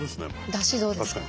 だしどうですか？